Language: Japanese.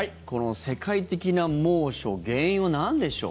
世界的な猛暑原因はなんでしょう？